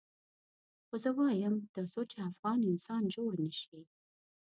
خو زه وایم تر څو چې افغان انسان جوړ نه شي.